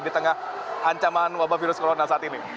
di tengah ancaman wabah virus corona saat ini